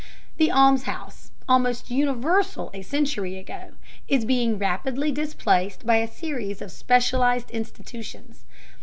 The almshouse, almost universal a century ago, is being rapidly displaced by a series of specialized institutions.